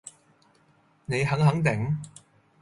你肯肯定？